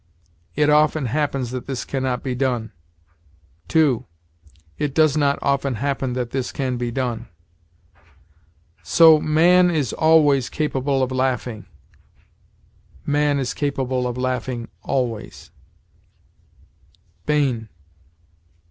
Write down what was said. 'It often happens that this can not be done.' 2. 'It does not often happen that this can be done.') So, 'man is always capable of laughing'; 'man is capable of laughing always.'" Bain.